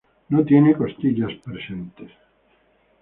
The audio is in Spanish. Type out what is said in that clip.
No tiene costillas presentes.